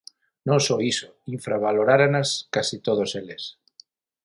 Non só iso, infravaloráranas case todos eles.